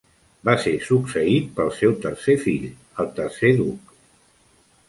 Va ser succeït pel seu tercer fill, el tercer duc.